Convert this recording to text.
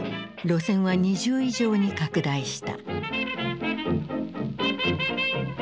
路線は２０以上に拡大した。